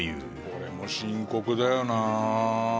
これも深刻だよな。